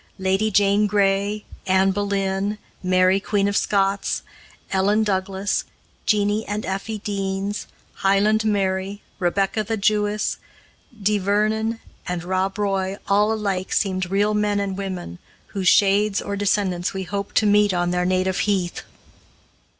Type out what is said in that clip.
Lady Jane Grey, Anne Boleyn, Mary Queen of Scots, Ellen Douglas, Jeanie and Effie Deans, Highland Mary, Rebecca the Jewess, Di Vernon, and Rob Roy all alike seemed real men and women, whose shades or descendants we hoped to meet on their native heath.